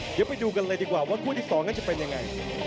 เดี๋ยวไปดูกันเลยดีกว่าว่าคู่ที่๒นั้นจะเป็นยังไง